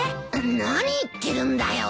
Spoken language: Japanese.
何言ってるんだよ。